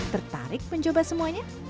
tertarik mencoba semuanya